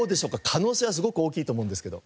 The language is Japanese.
可能性はすごく大きいと思うんですけど。